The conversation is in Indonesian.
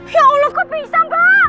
ya allah kok bisa mbak